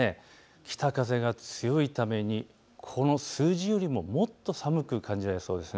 北風が強いためにこの数字よりももっと寒く感じられそうです。